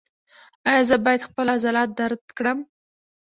ایا زه باید خپل عضلات درد کړم؟